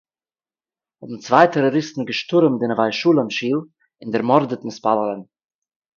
האָבן צוויי טעראָריסטן געשטורעמט די נוה שלום שול און דערמאָרדעט מתפּללים